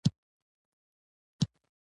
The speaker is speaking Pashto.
د نړۍ له ګوټ ګوټ څخه خلک راځي.